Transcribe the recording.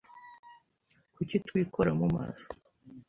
Kuki twikora mu maso